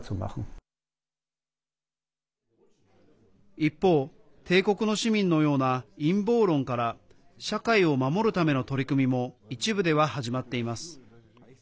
一方、帝国の市民のような陰謀論から社会を守るための取り組みも一部では始まっています。